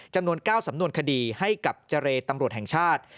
จำนวน๙สำนวนคดีให้กับเจรตำรวจแห่งชาติ